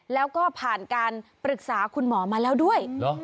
แล้วก็ผ่านการปรึกษาคุณหมอมาแล้วด้วย